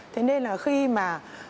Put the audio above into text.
thế nên là khi mà